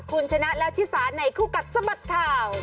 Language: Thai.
คุณชนะและชิสาในคู่กัดสะบัดข่าว